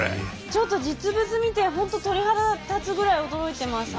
ちょっと実物見て本当鳥肌立つぐらい驚いてます。